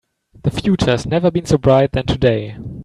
The future has never been so bright than today.